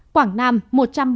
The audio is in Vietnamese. quảng nam một trăm bảy mươi ba ca